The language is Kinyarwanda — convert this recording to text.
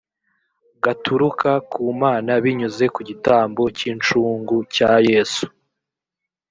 gaturuka ku mana binyuze ku gitambo cy’incungu cya yesu